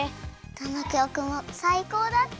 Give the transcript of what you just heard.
どのきょくもさいこうだった！